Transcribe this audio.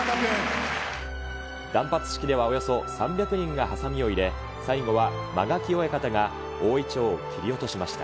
断髪式ではおよそ３００人がはさみを入れ、最後は間垣親方が大いちょうを切り落としました。